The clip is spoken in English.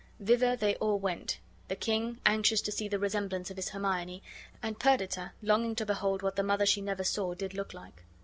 Thither then they all went; the king, anxious to see the semblance of his Hermione, and Perdita longing to behold what the mother she never saw did look like.